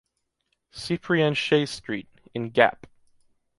Cyprien Chaix Street, in Gap